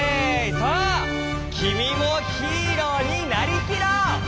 さあきみもヒーローになりきろう！